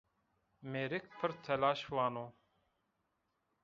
Mêrik pirtelaş vano